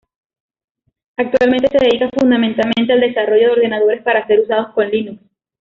Actualmente se dedica fundamentalmente al desarrollo de ordenadores para ser usados con Linux.